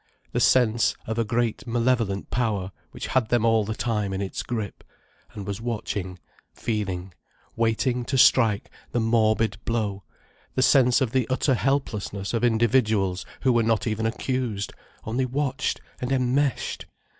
The sense of a great malevolent power which had them all the time in its grip, and was watching, feeling, waiting to strike the morbid blow: the sense of the utter helplessness of individuals who were not even accused, only watched and enmeshed!